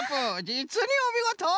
じつにおみごと！